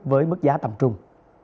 với mức giá tầm trung